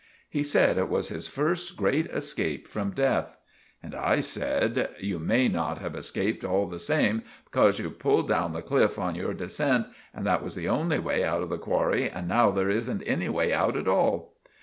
He said it was his first great escape from deth. And I said— "You may not have escaped all the same, becorse you've pulled down the cliff in your dissent, and that was the only way out of the qwarry, and now there isn't any way out at all!"